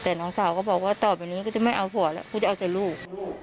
แต่น้องสาวก็บอกว่าต่อไปนี้ก็จะไม่เอาผัวแล้วกูจะเอาแต่ลูก